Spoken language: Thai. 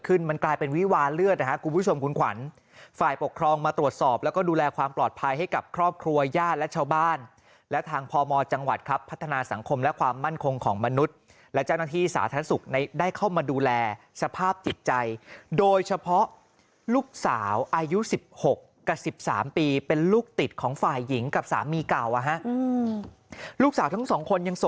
มันกลายเป็นวิวาเลือดนะครับคุณผู้ชมคุณขวัญฝ่ายปกครองมาตรวจสอบแล้วก็ดูแลความปลอดภัยให้กับครอบครัวญาติและชาวบ้านและทางพมจังหวัดครับพัฒนาสังคมและความมั่นคงของมนุษย์และเจ้าหน้าที่สาธารณสุขได้เข้ามาดูแลสภาพจิตใจโดยเฉพาะลูกสาวอายุ๑๖กับ๑๓ปีเป็นลูกติดของฝ่ายหญิงกับสามีเก่าอ่ะฮะลูกสาวทั้งสองคนยังส